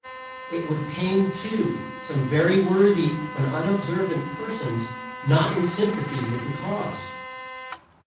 It would pain, too, some very worthy but unobservant persons not in sympathy with "the cause."